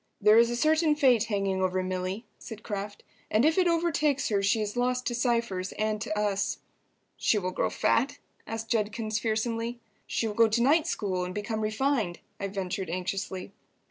"There is a certain fate hanging over Milly," said Kraft, "and if it overtakes her she is lost to Cypher's and to us." "She will grow fat?" asked Judkins, fearsomely. "She will go to night school and become refined?" I ventured anxiously.